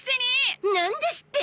何ですって！